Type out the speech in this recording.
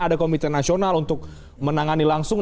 ada komite nasional untuk menangani langsung